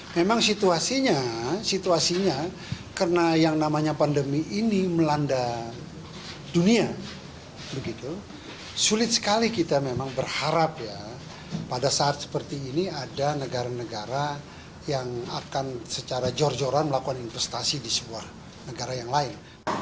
memang situasinya situasinya karena yang namanya pandemi ini melanda dunia begitu sulit sekali kita memang berharap ya pada saat seperti ini ada negara negara yang akan secara jor joran melakukan investasi di sebuah negara yang lain